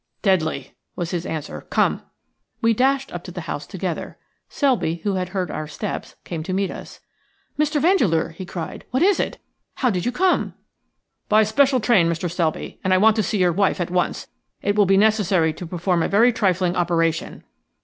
"Deadly," was his answer. "Come." We dashed up to the house together. Selby, who had heard our steps, came to meet us. "Mr. Vandeleur," he cried. "What is it? How did you come?" "By special train, Mr. Selby. And I want to see your wife at once. It will be necessary to perform a very trifling operation."